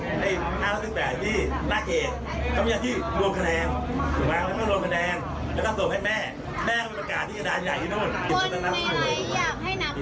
ไม่เป็นไรอยากนับใหม่ก็ต้องขอร้องนักขัดละจด